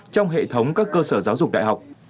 trong hệ thống các cơ sở giáo dục đại học